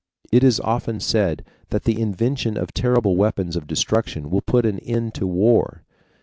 It is often said that the invention of terrible weapons of destruction will put an end to war.